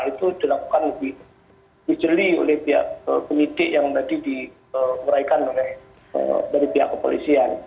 itu dilakukan lebih bijeli oleh pihak pemilik d yang tadi dipermulaikan dari pihak kepolisian